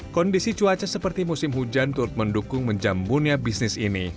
kondisi cuaca seperti musim hujan turut mendukung menjambunya bisnis ini